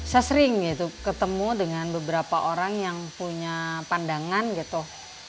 saya sering gitu ketemu dengan beberapa orang yang punya pandangan gitu